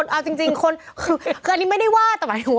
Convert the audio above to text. เอาจริงคนคืออันนี้ไม่ได้ว่าแต่หมายถึงว่า